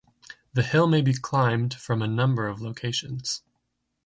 The hill may be climbed from a number of locations.